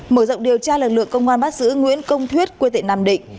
mở rộng điều tra lực lượng công an bắt giữ nguyễn công thuyết quê tệ nam định